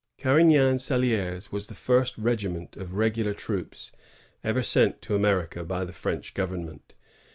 Carignan Salidres was the first regiment of r^[xdar troops ever sent to America by the French govern ment.